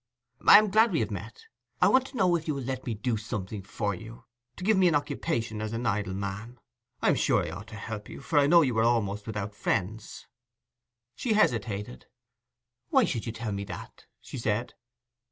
'I am glad we have met. I want to know if you will let me do something for you, to give me an occupation, as an idle man? I am sure I ought to help you, for I know you are almost without friends.' She hesitated. 'Why should you tell me that?' she said.